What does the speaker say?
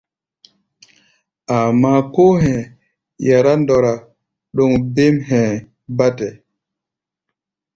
Amáá, kóo hɛ̧ɛ̧ yará ndɔra ɗoŋ bêm hɛ̧ɛ̧ bátɛ.